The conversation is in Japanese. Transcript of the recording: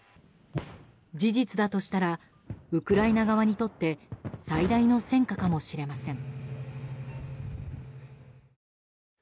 事実だとしたらウクライナ側にとって最大の戦果かもしれません。